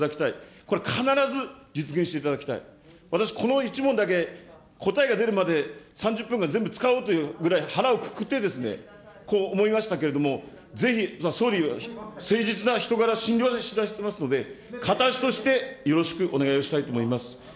これ、必ず実現していただきたい、私、この１問だけ、答えが出るまで３０分間、全部使おうというぐらい、腹をくくって、思いましたけれども、ぜひ、総理、誠実な人柄、信頼していますので、形としてよろしくお願いをしたいと思います。